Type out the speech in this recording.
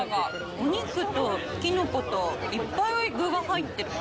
お肉と、キノコと、いっぱい具が入ってる。